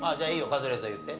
カズレーザー言って。